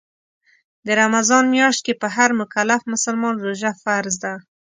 د رمضان میاشت کې په هر مکلف مسلمان روژه فرض ده